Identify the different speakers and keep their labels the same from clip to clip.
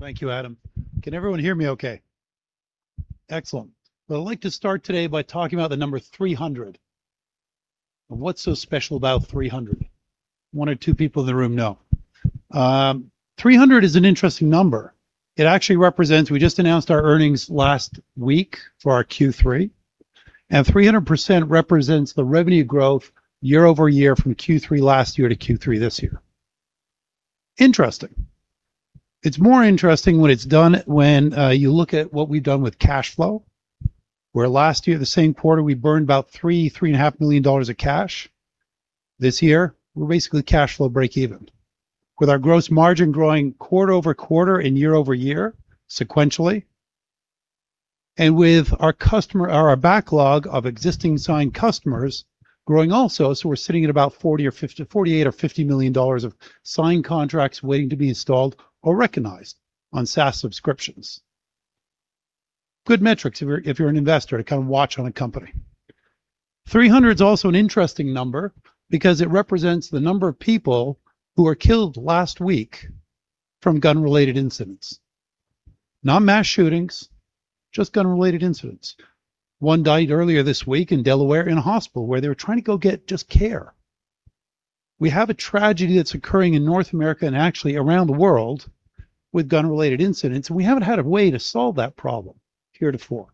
Speaker 1: Thank you, Adam. Can everyone hear me okay? Excellent. I'd like to start today by talking about the number 300. What's so special about 300? One or two people in the room know. 300 is an interesting number. We just announced our earnings last week for our Q3. 300% represents the revenue growth year-over-year from Q3 last year to Q3 this year. Interesting. It's more interesting when you look at what we've done with cash flow, where last year, the same quarter, we burned about $3 million-$3.5 million of cash. This year, we're basically cash flow breakeven. With our gross margin growing quarter-over-quarter and year-over-year sequentially, with our backlog of existing signed customers growing also, we're sitting at about $48 million or $50 million of signed contracts waiting to be installed or recognized on SaaS subscriptions. Good metrics if you're an investor to kind of watch on a company. 300 is also an interesting number because it represents the number of people who were killed last week from gun-related incidents. Not mass shootings, just gun-related incidents. One died earlier this week in Delaware in a hospital where they were trying to go get just care. We have a tragedy that's occurring in North America and actually around the world with gun-related incidents. We haven't had a way to solve that problem heretofore.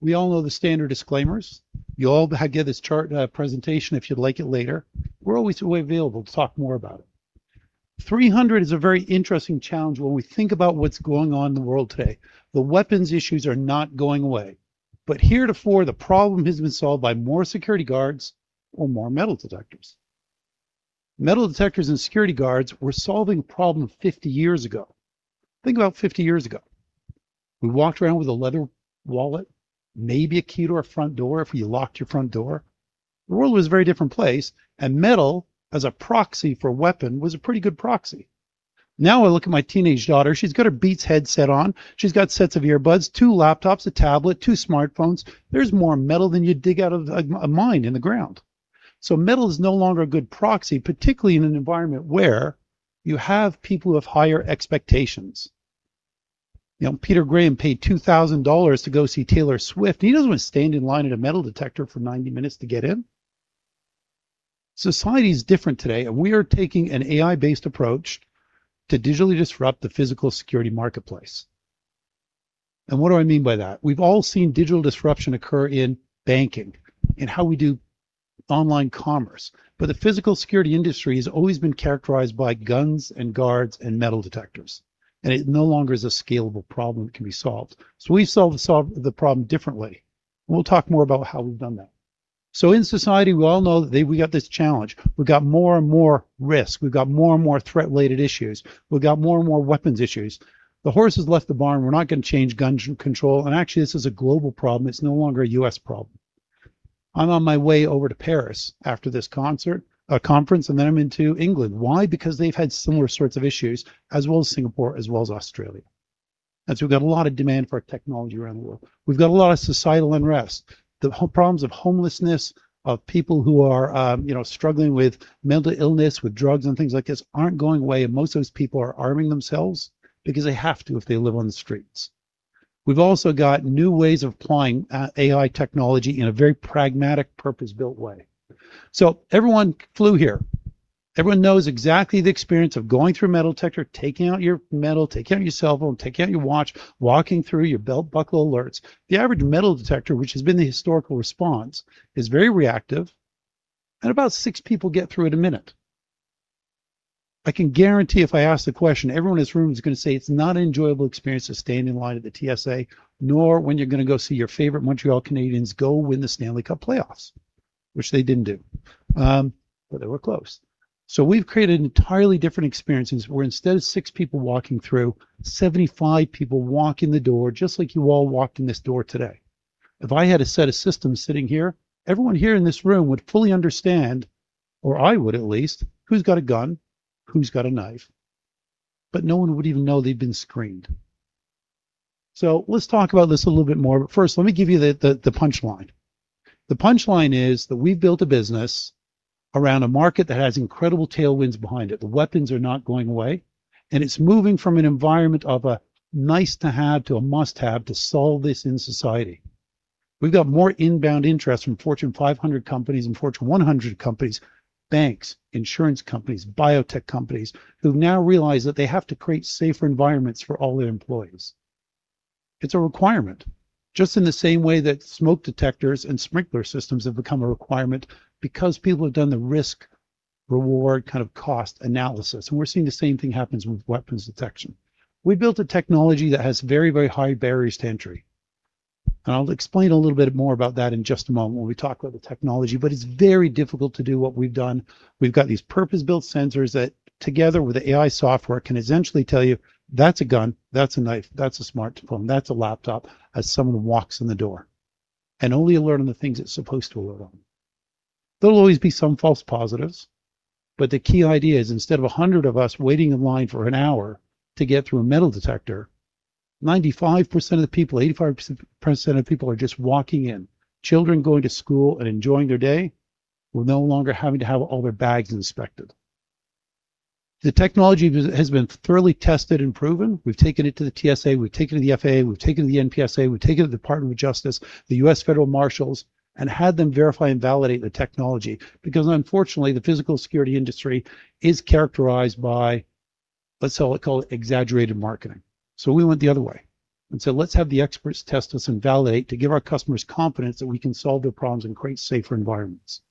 Speaker 1: We all know the standard disclaimers. You'll all get this chart presentation if you'd like it later. We're always available to talk more about it. 300 is a very interesting challenge when we think about what's going on in the world today. The weapons issues are not going away. Heretofore, the problem has been solved by more security guards or more metal detectors. Metal detectors and security guards were solving a problem 50 years ago. Think about 50 years ago. We walked around with a leather wallet, maybe a key to our front door if you locked your front door. The world was a very different place. Metal as a proxy for a weapon was a pretty good proxy. Now I look at my teenage daughter, she's got her Beats headset on, she's got sets of earbuds, two laptops, a tablet, two smartphones. There's more metal than you'd dig out of a mine in the ground. Metal is no longer a good proxy, particularly in an environment where you have people who have higher expectations. Peter Evans paid $2,000 to go see Taylor Swift. He doesn't want to stand in line at a metal detector for 90 minutes to get in. Society is different today. We are taking an AI-based approach to digitally disrupt the physical security marketplace. What do I mean by that? We've all seen digital disruption occur in banking, in how we do online commerce. The physical security industry has always been characterized by guns and guards and metal detectors. It no longer is a scalable problem that can be solved. We've solved the problem differently. We'll talk more about how we've done that. In society, we all know that we've got this challenge. We've got more and more risk. We've got more and more threat-related issues. We've got more and more weapons issues. The horse has left the barn. We're not going to change gun control. Actually, this is a global problem. It's no longer a U.S. problem. I'm on my way over to Paris after this conference. Then I'm into England. Why? Because they've had similar sorts of issues, as well as Singapore, as well as Australia. We've got a lot of demand for our technology around the world. We've got a lot of societal unrest. The problems of homelessness, of people who are struggling with mental illness, with drugs and things like this aren't going away. Most of those people are arming themselves because they have to if they live on the streets. We've also got new ways of applying AI technology in a very pragmatic, purpose-built way. Everyone flew here. Everyone knows exactly the experience of going through a metal detector, taking out your metal, taking out your cellphone, taking out your watch, walking through, your belt buckle alerts. The average metal detector, which has been the historical response, is very reactive. About six people get through it a minute. I can guarantee if I ask the question, everyone in this room is going to say it's not an enjoyable experience to stand in line at the TSA, nor when you're going to go see your favorite Montreal Canadiens go win the Stanley Cup playoffs. Which they didn't do, but they were close. We've created an entirely different experience where instead of six people walking through, 75 people walk in the door just like you all walked in this door today. If I had a set of systems sitting here, everyone here in this room would fully understand, or I would at least, who's got a gun, who's got a knife. No one would even know they've been screened. Let's talk about this a little bit more. First, let me give you the punchline. The punchline is that we've built a business around a market that has incredible tailwinds behind it. The weapons are not going away. It's moving from an environment of a nice to have to a must have to solve this in society. We've got more inbound interest from Fortune 500 companies and Fortune 100 companies, banks, insurance companies, biotech companies, who've now realized that they have to create safer environments for all their employees. It's a requirement, just in the same way that smoke detectors and sprinkler systems have become a requirement because people have done the risk/reward kind of cost analysis. We're seeing the same thing happens with weapons detection. We built a technology that has very, very high barriers to entry. I'll explain a little bit more about that in just a moment when we talk about the technology. It's very difficult to do what we've done. We've got these purpose-built sensors that, together with the AI software, can essentially tell you that's a gun, that's a knife, that's a smartphone, that's a laptop, as someone walks in the door. Only alert on the things it's supposed to alert on. There'll always be some false positives, but the key idea is instead of 100 of us waiting in line for an hour to get through a metal detector 95% of the people, 85% of people are just walking in. Children going to school and enjoying their day will no longer having to have all their bags inspected. The technology has been thoroughly tested and proven. We've taken it to the TSA, we've taken it to the FAA, we've taken it to the NPSA, we've taken it to the Department of Justice, the U.S. Federal Marshals, and had them verify and validate the technology. Unfortunately, the physical security industry is characterized by, let's call it exaggerated marketing. We went the other way and said, "Let's have the experts test us and validate to give our customers confidence that we can solve their problems and create safer environments."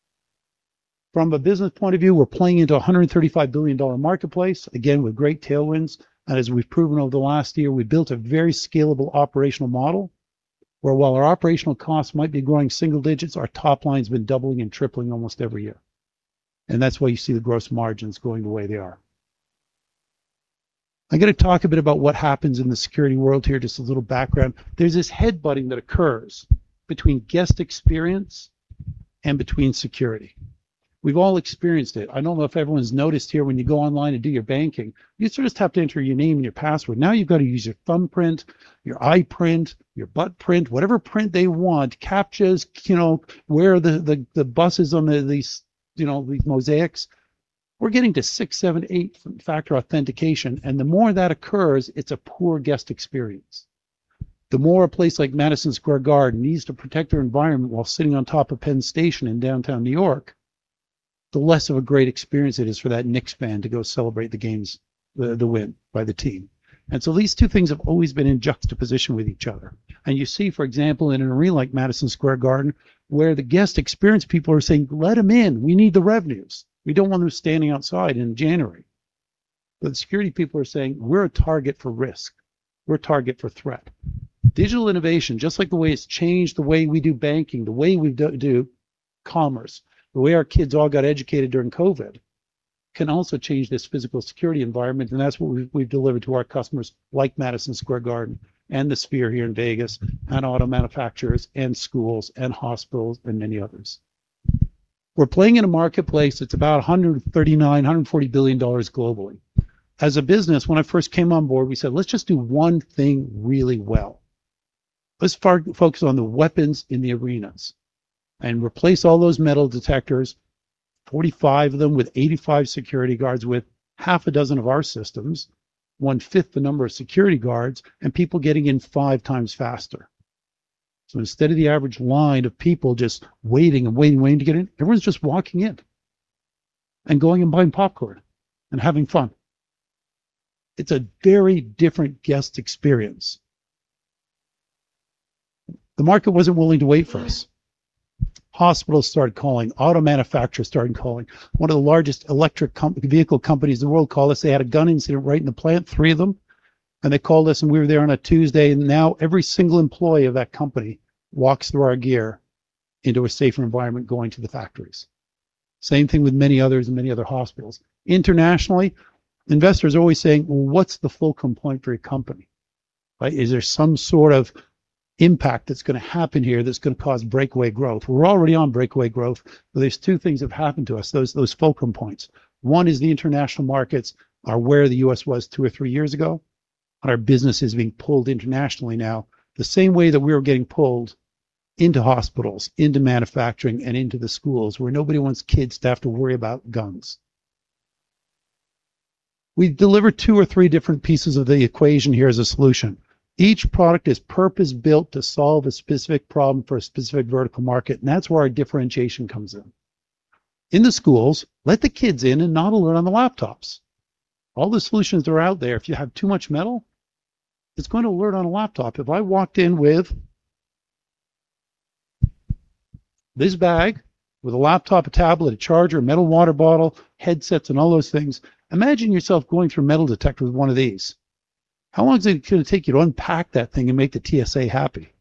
Speaker 1: From a business point of view, we're playing into $135 billion marketplace, again, with great tailwinds. As we've proven over the last year, we built a very scalable operational model where, while our operational costs might be growing single digits, our top line's been doubling and tripling almost every year. That's why you see the gross margins going the way they are. I'm going to talk a bit about what happens in the security world here, just a little background. There's this head butting that occurs between guest experience and between security. We've all experienced it. I don't know if everyone's noticed here, when you go online and do your banking, you used to just have to enter your name and your password. Now you've got to use your thumbprint, your eye print, your butt print, whatever print they want. Captchas, where the bus is on these mosaics. We're getting to six, seven, eight factor authentication, and the more that occurs, it's a poor guest experience. The more a place like Madison Square Garden needs to protect their environment while sitting on top of Penn Station in downtown New York, the less of a great experience it is for that Knicks fan to go celebrate the games, the win by the team. These two things have always been in juxtaposition with each other. You see, for example, in an arena like Madison Square Garden, where the guest experience people are saying, "Let them in. We need the revenues. We don't want them standing outside in January." The security people are saying, "We're a target for risk. We're a target for threat." Digital innovation, just like the way it's changed the way we do banking, the way we do commerce, the way our kids all got educated during COVID, can also change this physical security environment, and that's what we've delivered to our customers, like Madison Square Garden and the Sphere here in Vegas and auto manufacturers and schools and hospitals and many others. We're playing in a marketplace that's about $139 billion-$140 billion globally. As a business, when I first came on board, we said, "Let's just do one thing really well. Let's focus on the weapons in the arenas and replace all those metal detectors, 45 of them with 85 security guards with half a dozen of our systems, one-fifth the number of security guards and people getting in 5x faster. Instead of the average line of people just waiting and waiting to get in, everyone's just walking in and going and buying popcorn and having fun. It's a very different guest experience. The market wasn't willing to wait for us. Hospitals started calling. Auto manufacturers started calling. One of the largest electric vehicle companies in the world called us. They had a gun incident right in the plant, three of them, and they called us and we were there on a Tuesday. Now every single employee of that company walks through our gear into a safer environment going to the factories. Same thing with many others and many other hospitals. Internationally, investors are always saying, "What's the fulcrum point for your company? Is there some sort of impact that's going to happen here that's going to cause breakaway growth?" We're already on breakaway growth, there's two things have happened to us, those fulcrum points. One is the international markets are where the U.S. was two or three years ago, and our business is being pulled internationally now, the same way that we were getting pulled into hospitals, into manufacturing, and into the schools, where nobody wants kids to have to worry about guns. We've delivered two or three different pieces of the equation here as a solution. Each product is purpose-built to solve a specific problem for a specific vertical market, and that's where our differentiation comes in. In the schools, let the kids in and not alert on the laptops. All the solutions are out there. If you have too much metal, it's going to alert on a laptop. If I walked in with this bag with a laptop, a tablet, a charger, a metal water bottle, headsets, and all those things, imagine yourself going through a metal detector with one of these. How long is it going to take you to unpack that thing and make the TSA happy?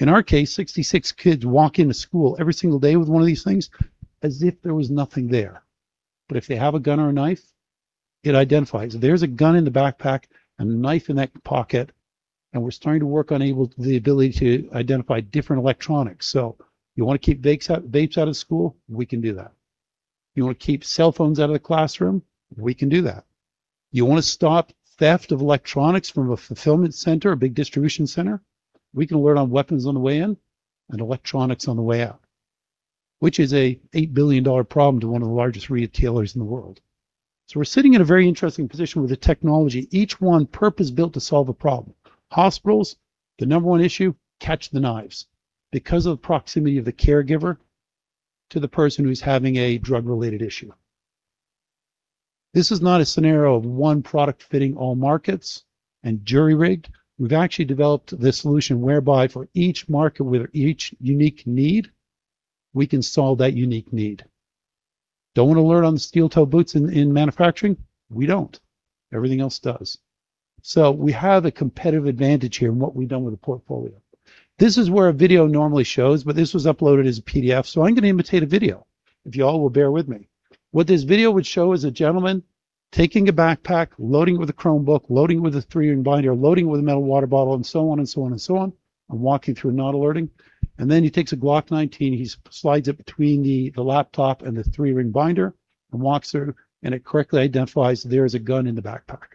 Speaker 1: In our case, 66 kids walk into school every single day with one of these things as if there was nothing there. If they have a gun or a knife, it identifies there's a gun in the backpack and a knife in that pocket, we're starting to work on the ability to identify different electronics. You want to keep vapes out of school? We can do that. You want to keep cell phones out of the classroom? We can do that. You want to stop theft of electronics from a fulfillment center, a big distribution center? We can alert on weapons on the way in and electronics on the way out, which is a 8 billion dollar problem to one of the largest retailers in the world. We're sitting in a very interesting position with the technology, each one purpose-built to solve a problem. Hospitals, the number one issue, catch the knives because of the proximity of the caregiver to the person who's having a drug-related issue. This is not a scenario of one product fitting all markets and jury-rigged. We've actually developed this solution whereby for each market with each unique need, we can solve that unique need. Don't want to alert on the steel-toe boots in manufacturing? We don't. Everything else does. We have a competitive advantage here in what we've done with the portfolio. This is where a video normally shows, but this was uploaded as a PDF, so I'm going to imitate a video, if you all will bear with me. What this video would show is a gentleman taking a backpack, loading it with a Chromebook, loading it with a three-ring binder, loading it with a metal water bottle, and so on and so on and so on, and walk you through not alerting. Then he takes a Glock 19 and he slides it between the laptop and the three-ring binder. Walks through, and it correctly identifies there is a gun in the backpack.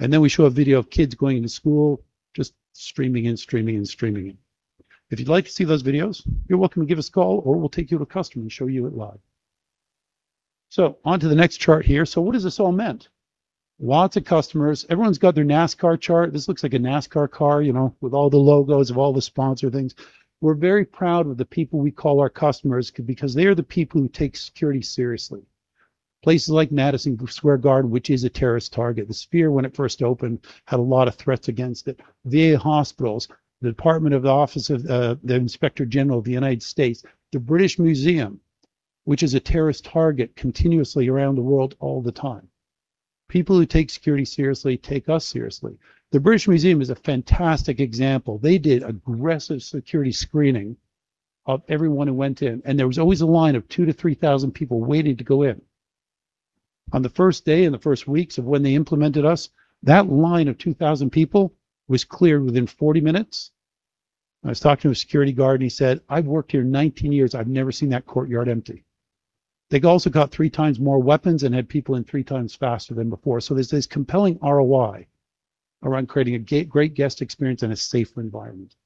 Speaker 1: Then we show a video of kids going into school, just streaming in, streaming in, streaming in. If you'd like to see those videos, you're welcome to give us a call, or we'll take you to a customer and show you it live. On to the next chart here. What does this all meant? Lots of customers. Everyone's got their NASCAR chart. This looks like a NASCAR car, with all the logos of all the sponsor things. We're very proud of the people we call our customers because they are the people who take security seriously. Places like Madison Square Garden, which is a terrorist target, the Sphere when it first opened had a lot of threats against it. VA hospitals, the Department of the Office of the Inspector General of the United States, the British Museum, which is a terrorist target continuously around the world all the time. People who take security seriously take us seriously. The British Museum is a fantastic example. They did aggressive security screening of everyone who went in, and there was always a line of 2,000-3,000 people waiting to go in. On the first day, in the first weeks of when they implemented us, that line of 2,000 people was cleared within 40 minutes. I was talking to a security guard and he said, "I've worked here 19 years. I've never seen that courtyard empty." They also got 3x more weapons and had people in 3x faster than before. There's this compelling ROI around creating a great guest experience and a safer environment.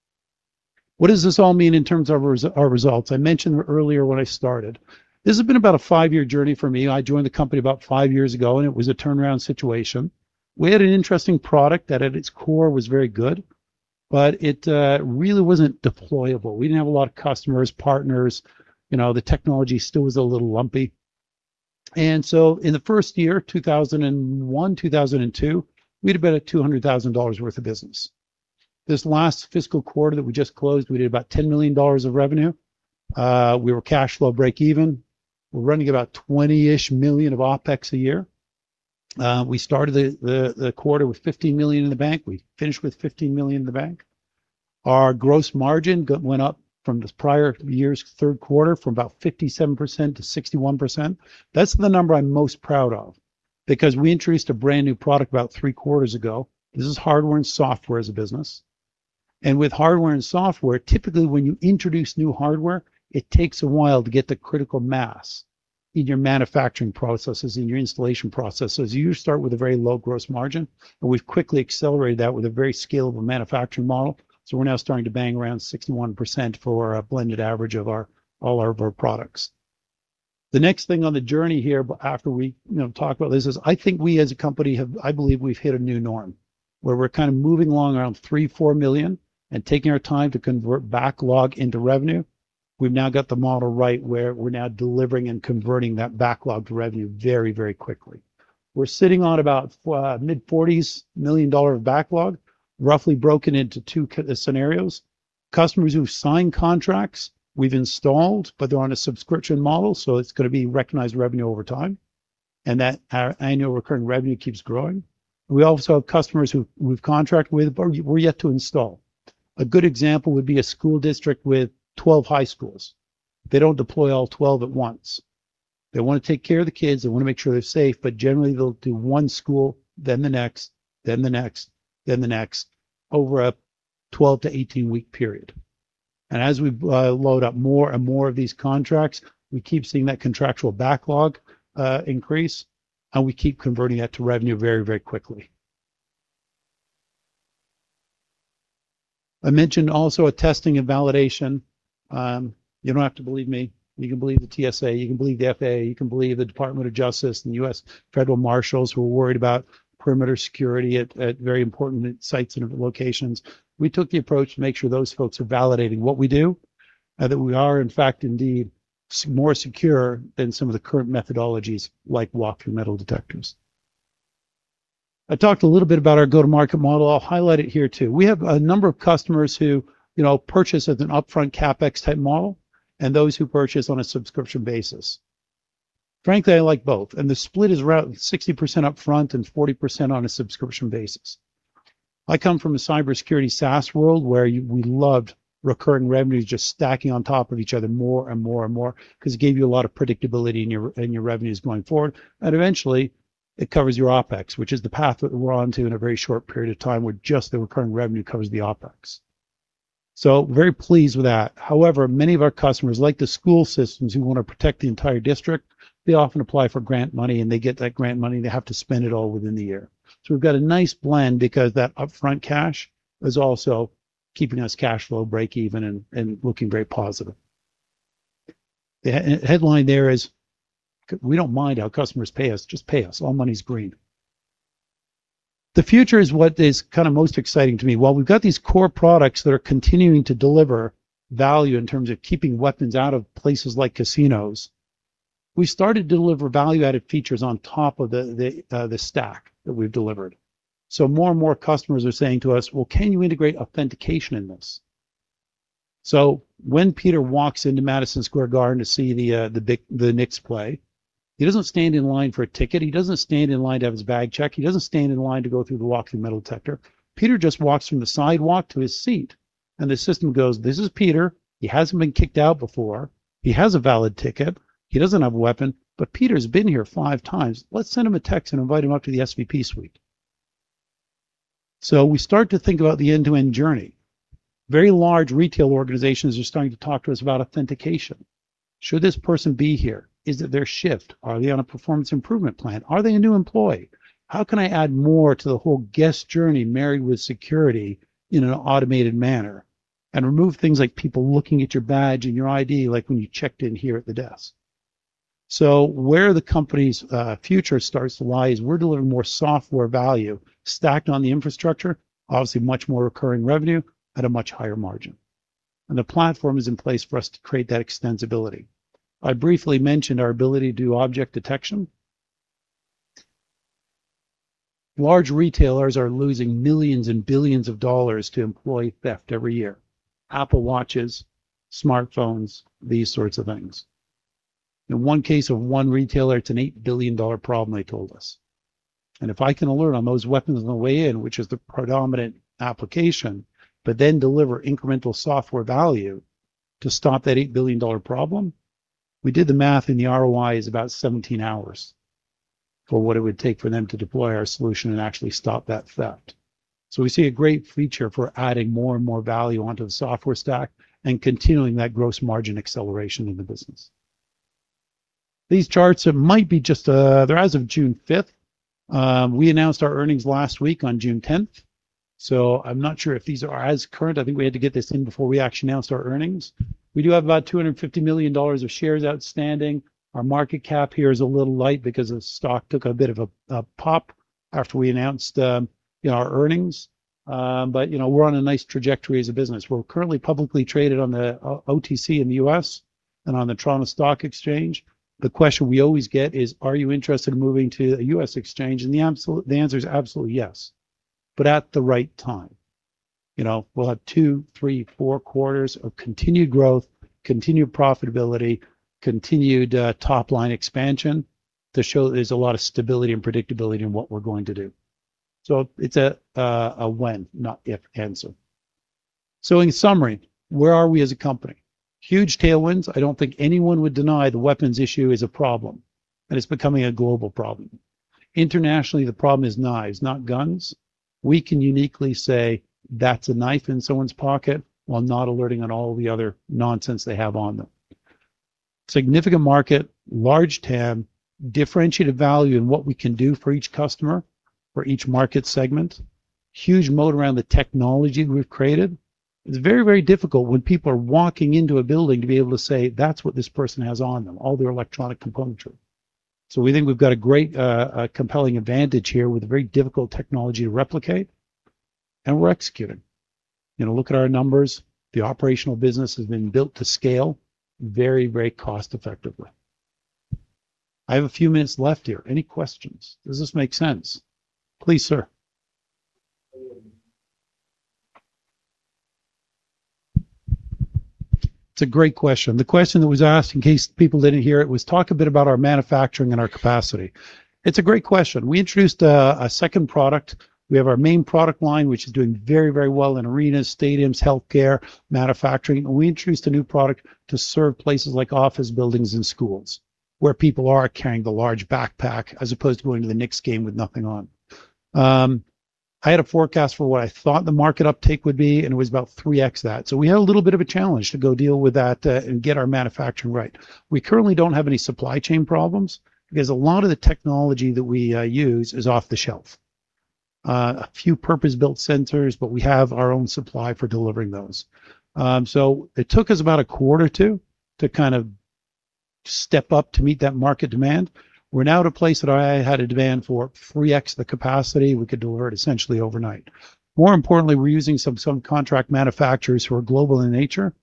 Speaker 1: What does this all mean in terms of our results? I mentioned earlier when I started, this has been about a five-year journey for me. I joined the company about five years ago and it was a turnaround situation. We had an interesting product that at its core was very good, but it really wasn't deployable. We didn't have a lot of customers, partners. The technology still was a little lumpy. In the first year, 2001, 2002, we had about a $200,000 worth of business. This last fiscal quarter that we just closed, we did about $10 million of revenue. We were cash flow breakeven. We're running about $20-ish million of OpEx a year. We started the quarter with $15 million in the bank. We finished with $15 million in the bank. Our gross margin went up from this prior year's Q3 from about 57%-61%. That's the number I'm most proud of because we introduced a brand-new product about three quarters ago. This is hardware and software as a business. With hardware and software, typically when you introduce new hardware, it takes a while to get the critical mass in your manufacturing processes, in your installation processes. You start with a very low gross margin, and we've quickly accelerated that with a very scalable manufacturing model. We're now starting to bang around 61% for a blended average of all our products. The next thing on the journey here after we talk about this is I believe we've hit a new norm, where we're kind of moving along around 3 million, 4 million and taking our time to convert backlog into revenue. We've now got the model right where we're now delivering and converting that backlog to revenue very quickly. We're sitting on about mid-40s million CAD of backlog, roughly broken into two scenarios. Customers who've signed contracts, we've installed, but they're on a subscription model, so it's going to be recognized revenue over time, and that our annual recurring revenue keeps growing. We also have customers who we've contracted with, but we're yet to install. A good example would be a school district with 12 high schools. They don't deploy all 12 at once. They want to take care of the kids. They want to make sure they're safe. Generally, they'll do one school, then the next, then the next, then the next over a 12-18-week period. As we load up more and more of these contracts, we keep seeing that contractual backlog increase, and we keep converting that to revenue very quickly. I mentioned also a testing and validation. You don't have to believe me. You can believe the TSA. You can believe the FAA. You can believe the Department of Justice and U.S. Federal Marshals who are worried about perimeter security at very important sites and locations. We took the approach to make sure those folks are validating what we do, and that we are, in fact, indeed, more secure than some of the current methodologies like walk-through metal detectors. I talked a little bit about our go-to-market model. I'll highlight it here, too. We have a number of customers who purchase as an upfront CapEx-type model and those who purchase on a subscription basis. Frankly, I like both. The split is around 60% upfront and 40% on a subscription basis. I come from a cybersecurity SaaS world where we loved recurring revenue just stacking on top of each other more and more and more because it gave you a lot of predictability in your revenues going forward. Eventually, it covers your OpEx, which is the path that we're onto in a very short period of time, where just the recurring revenue covers the OpEx. Very pleased with that. However, many of our customers, like the school systems who want to protect the entire district, they often apply for grant money and they get that grant money, they have to spend it all within the year. We've got a nice blend because that upfront cash is also keeping us cash flow breakeven and looking very positive. The headline there is, "We don't mind how customers pay us, just pay us. All money's green." The future is what is kind of most exciting to me. While we've got these core products that are continuing to deliver value in terms of keeping weapons out of places like casinos, we've started to deliver value-added features on top of the stack that we've delivered. More and more customers are saying to us, "Well, can you integrate authentication in this?" When Peter walks into Madison Square Garden to see the Knicks play, he doesn't stand in line for a ticket. He doesn't stand in line to have his bag checked. He doesn't stand in line to go through the walk through metal detector. Peter just walks from the sidewalk to his seat, and the system goes, "This is Peter. He hasn't been kicked out before. He has a valid ticket. He doesn't have a weapon. But Peter's been here 5x. Let's send him a text and invite him up to the VIP suite." We start to think about the end-to-end journey. Very large retail organizations are starting to talk to us about authentication. Should this person be here? Is it their shift? Are they on a performance improvement plan? Are they a new employee? How can I add more to the whole guest journey married with security in an automated manner and remove things like people looking at your badge and your ID like when you checked in here at the desk? Where the company's future starts to lie is we're delivering more software value stacked on the infrastructure, obviously much more recurring revenue at a much higher margin. The platform is in place for us to create that extensibility. I briefly mentioned our ability to do object detection. Large retailers are losing millions and billions of dollars to employee theft every year. Apple Watches, smartphones, these sorts of things. In one case of one retailer, it's an $8 billion problem they told us. If I can alert on those weapons on the way in, which is the predominant application, then deliver incremental software value to stop that $8 billion problem, We did the math and the ROI is about 17 hours for what it would take for them to deploy our solution and actually stop that theft. We see a great feature for adding more and more value onto the software stack and continuing that gross margin acceleration in the business. These charts, they're as of June 5th. We announced our earnings last week on June 10th, I'm not sure if these are as current. I think we had to get this in before we actually announced our earnings. We do have about $250 million of shares outstanding. Our market cap here is a little light because the stock took a bit of a pop after we announced our earnings. We're on a nice trajectory as a business. We're currently publicly traded on the OTC in the U.S. and on the Toronto Stock Exchange. The question we always get is, are you interested in moving to a U.S. exchange? The answer is absolutely yes, at the right time. We'll have two, three, four quarters of continued growth, continued profitability, continued top-line expansion to show that there's a lot of stability and predictability in what we're going to do. It's a when, not if, answer. In summary, where are we as a company? Huge tailwinds. I don't think anyone would deny the weapons issue is a problem, and it's becoming a global problem. Internationally, the problem is knives, not guns. We can uniquely say that's a knife in someone's pocket while not alerting on all the other nonsense they have on them. Significant market, large TAM, differentiated value in what we can do for each customer, for each market segment. Huge moat around the technology we've created. It's very, very difficult when people are walking into a building to be able to say, "That's what this person has on them," all their electronic componentry. We think we've got a great compelling advantage here with a very difficult technology to replicate, and we're executing. Look at our numbers. The operational business has been built to scale very, very cost effectively. I have a few minutes left here. Any questions? Does this make sense? Please, sir. It's a great question. The question that was asked, in case people didn't hear it, was talk a bit about our manufacturing and our capacity. It's a great question. We introduced a second product. We have our main product line, which is doing very, very well in arenas, stadiums, healthcare, manufacturing. We introduced a new product to serve places like office buildings and schools, Where people are carrying the large backpack as opposed to going to the Knicks game with nothing on. I had a forecast for what I thought the market uptake would be, and it was about 3x that. We had a little bit of a challenge to go deal with that and get our manufacturing right. We currently don't have any supply chain problems because a lot of the technology that we use is off A few purpose-built sensors. We have our own supply for delivering those. It took us about a Q2 to kind of step up to meet that market demand. We're now at a place that I had a demand for 3x the capacity we could deliver it essentially overnight. More importantly, we're using some contract manufacturers who are global in nature.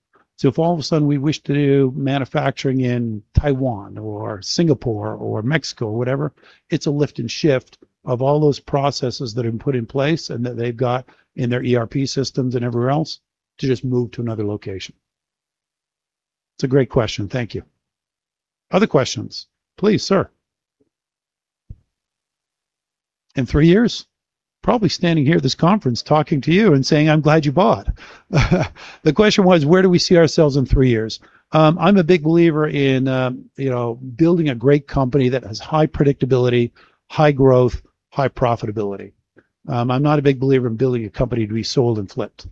Speaker 1: If all of a sudden we wish to do manufacturing in Taiwan or Singapore or Mexico, whatever, it's a lift and shift of all those processes that have been put in place and that they've got in their ERP systems and everywhere else to just move to another location. It's a great question. Thank you. Other questions? Please, sir. In three years? Probably standing here at this conference talking to you and saying, "I'm glad you bought." The question was, where do we see ourselves in three years? I'm a big believer in building a great company that has high predictability, high growth, high profitability. I'm not a big believer in building a company to be sold and flipped.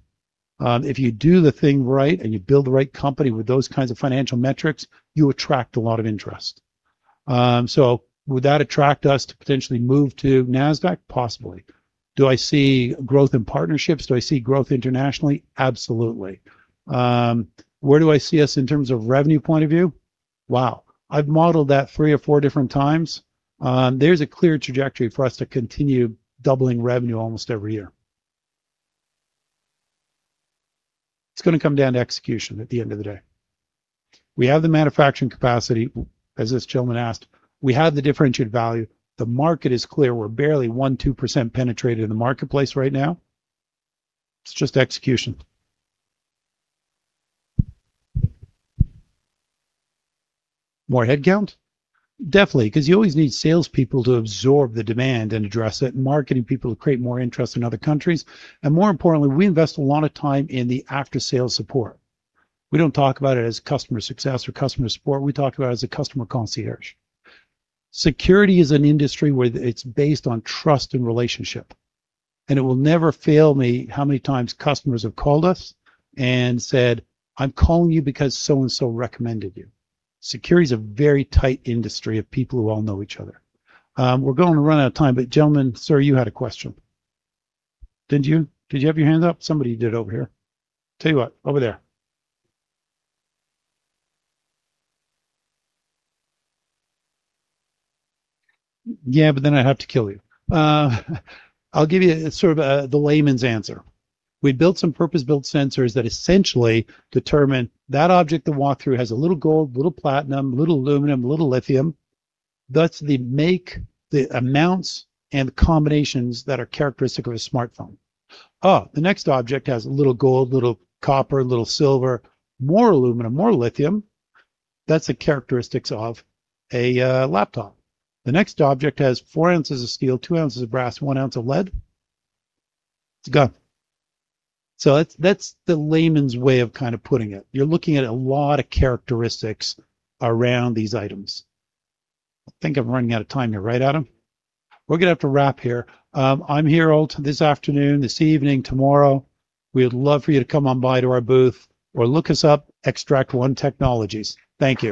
Speaker 1: If you do the thing right and you build the right company with those kinds of financial metrics, you attract a lot of interest. Would that attract us to potentially move to Nasdaq? Possibly. Do I see growth in partnerships? Do I see growth internationally? Absolutely. Where do I see us in terms of revenue point of view? Wow, I've modeled that three or four different times. There's a clear trajectory for us to continue doubling revenue almost every year. It's going to come down to execution at the end of the day. We have the manufacturing capacity, as this gentleman asked. We have the differentiated value. The market is clear. We're barely 1%, 2% penetrated in the marketplace right now. It's just execution. More headcount? Definitely, because you always need salespeople to absorb the demand and address it, marketing people to create more interest in other countries. More importantly, we invest a lot of time in the after-sale support. We don't talk about it as customer success or customer support, we talk about it as a customer concierge. Security is an industry where it's based on trust and relationship, and it will never fail me how many times customers have called us and said, "I'm calling you because so-and-so recommended you." Security is a very tight industry of people who all know each other. We're going to run out of time, gentleman, sir, you had a question. Didn't you? Did you have your hand up? Somebody did over here. Tell you what, over there. I'd have to kill you. I'll give you sort of the layman's answer. We built some purpose-built sensors that essentially determine that object that walked through has a little gold, little platinum, little aluminum, little lithium. That's the make, the amounts, and the combinations that are characteristic of a smartphone. The next object has a little gold, little copper, little silver, more aluminum, more lithium. That's the characteristics of a laptop. The next object has four ounces of steel, two ounces of brass, one ounce of lead. It's a gun. That's the layman's way of kind of putting it. You're looking at a lot of characteristics around these items. I think I'm running out of time here, right, Adam? We're going to have to wrap here. I'm here all this afternoon, this evening, tomorrow. We would love for you to come on by to our booth or look us up, Xtract One Technologies. Thank you.